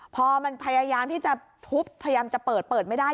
พอมันพยายามที่จะทุบพยายามจะเปิดเปิดไม่ได้